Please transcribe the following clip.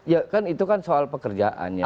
ya kan itu kan soal pekerjaan ya